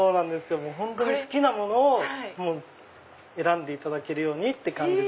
本当に好きなものを選んでいただけるようにって。